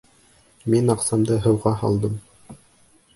Мин аҡсамды һыуға һалдым.